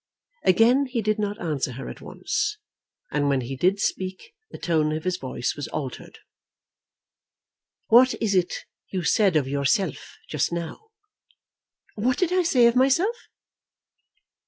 Again he did not answer her at once, and when he did speak the tone of his voice was altered. "What was it you said of yourself, just now?" "What did I say of myself?"